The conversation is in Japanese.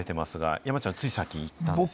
山ちゃん、つい最近行ったんですよね？